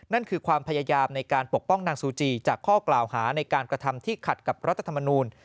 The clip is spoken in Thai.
นั่นคือความพยายามในการปกป้องนางซูจีจากข้อกล่าวหาในการกระทำที่ขัดกับรัฐธรรมนูล